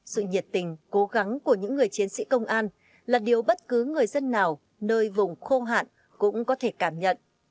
sự nhiệt tình cố gắng của những người chiến sĩ công an là điều bất cứ người dân nào nơi vùng khô hạn cũng có thể cảm nhận